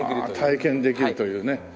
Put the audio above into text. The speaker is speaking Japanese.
ああ体験できるというね。